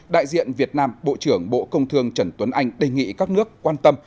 đại diện việt nam bộ trưởng bộ công thương trần tuấn anh đề nghị các nước quan tâm